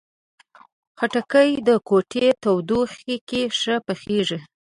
خټکی د کوټې تودوخې کې ښه پخیږي.